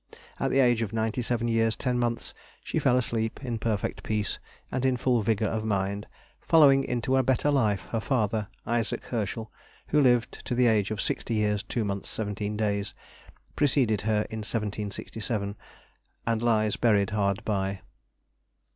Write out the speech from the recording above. At the age of 97 years 10 months she fell asleep in perfect peace, and in full vigour of mind, following into a better life her Father, Isaac Herschel, who lived to the age of 60 years 2 months 17 days, preceded her in 1767, and lies buried hard by.